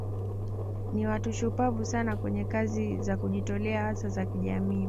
Ni watu shupavu sana kwenye kazi za kujitolea hasa za kijamii